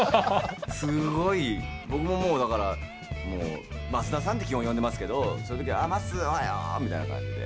すごい僕もうだから増田さんって基本呼んでますけどそういうときはみたいな感じで。